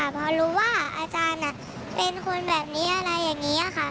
พอรู้ว่าอาจารย์เป็นคนแบบนี้อะไรอย่างนี้ค่ะ